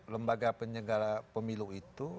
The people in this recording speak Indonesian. lembaga penyelenggara pemilu itu